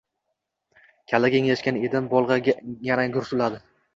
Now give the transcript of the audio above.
Kallaga engashgan edim, bolg‘a yana gursilladi.